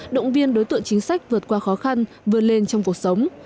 động viên đối tượng chính sách vượt qua khó khăn vươn lên trong cuộc sống